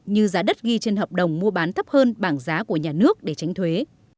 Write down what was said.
như giá đất ghi trên hợp đồng mua bán thấp hơn bảng giá của nhà nước để tránh thuế